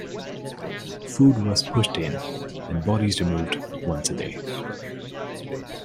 Food was pushed in and bodies removed once a day.